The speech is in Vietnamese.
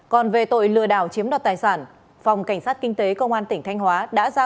còn về tội lừa đảo chiếm đoạt tài sản phòng cảnh sát kinh tế công an tỉnh thanh hóa